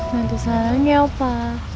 tentu sarangha ya opa